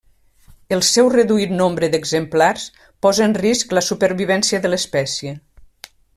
El seu reduït nombre d'exemplars posa en risc la supervivència de l'espècie.